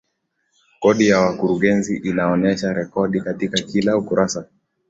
bodi ya wakurugenzi inaonesha rekodi katika kila ukurasa